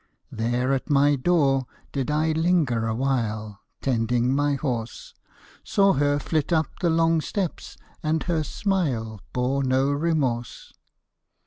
There at my door did I linger awhile Tending my horse, Saw her flit up the long steps, and her smile Bore no remorse.